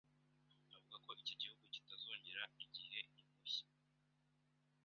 avuga ko iki gihugu kitazongerera igihe impushya